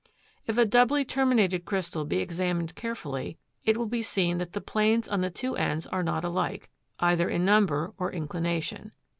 If a doubly terminated crystal be examined carefully, it will be seen that the planes on the two ends are not alike, either in number or inclination.